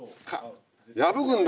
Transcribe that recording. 破くんだ